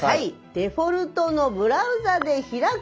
「デフォルトのブラウザで開く」。